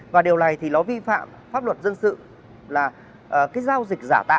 và điều này thì nó vi phạm pháp luật dân sự là cái giao dịch giả tạm